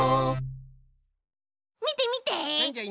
みてみて！